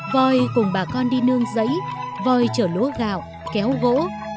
voi cùng bà con đi nương giấy voi chở lúa gạo kéo gỗ